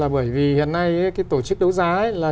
bởi vì hiện nay tổ chức đấu giá